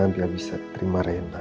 biar bisa terima rina